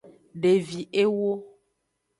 Devi ewo.